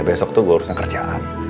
besok tuh gue urusan kerjaan